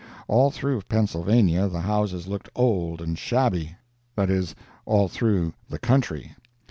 All through Pennsylvania the houses looked old and shabby—that is, all through the country.